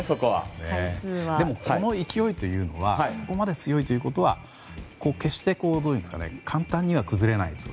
でも、この勢いというのはここまで強いということは決して簡単には崩れないと。